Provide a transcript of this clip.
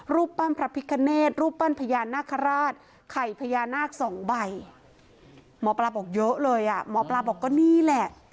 คุณปุ้ยอายุ๓๒นางความร้องไห้พูดคนเดี๋ยว